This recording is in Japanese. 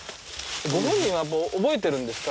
ご本人はやっぱ覚えてるんですか？